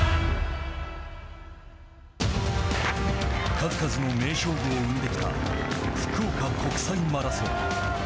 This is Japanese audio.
数々の名勝負を生んできた福岡国際マラソン。